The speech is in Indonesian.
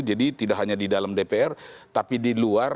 jadi tidak hanya di dalam dpr tapi di luar